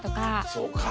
そうか。